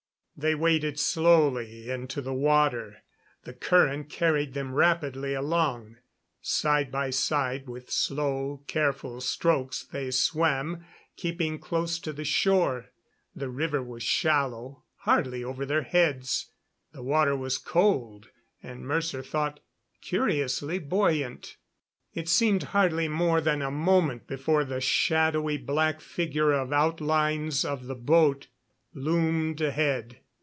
They waded slowly into the water. The current carried them rapidly along. Side by side, with slow, careful strokes, they swam, keeping close to shore. The river was shallow hardly over their heads. The water was cold and, Mercer thought, curiously buoyant. It seemed hardly more than a moment before the shadowy black figure of outlines of the boat loomed ahead.